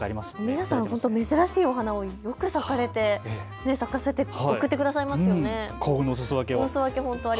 皆さん、珍しいお花をよく咲かせて送ってくださいますね。